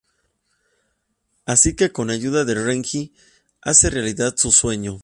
Así que con ayuda de Renji hace realidad su sueño.